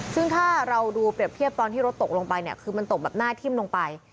ซึ่งถ้าเราดูเปรียบเทียบตอนที่รถตกลงไปเนี่ยคือมันตกแบบหน้าทิ่มลงไป